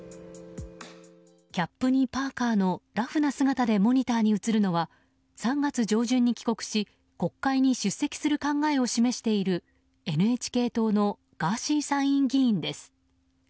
キャップにパーカのラフな姿でモニターに映るのは３月上旬に帰国し国会に出席する考えを示しているＮＨＫ党のガーシー参院議員です。